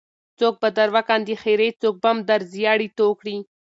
څوک به در وکاندې خیرې څوک بم در زیاړې توه کړي.